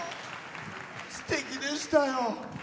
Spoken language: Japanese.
すてきでしたよ。